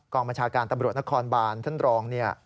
กลางมจาการตำรวจนกลางบานมท่านรอง